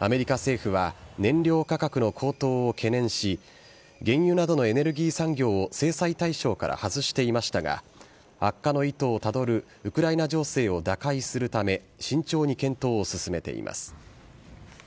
アメリカ政府は、燃料価格の高騰を懸念し、原油などのエネルギー産業を制裁対象から外していましたが、悪化の一途をたどるウクライナ情勢を打開するため、慎重に検討を進めています。